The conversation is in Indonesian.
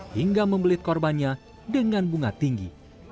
hingga membelit korbannya dengan bunga tinggi